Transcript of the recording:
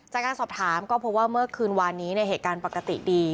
จากการสอบถามก็พบว่าเมื่อคืนวานนี้ในเหตุการณ์ปกติดี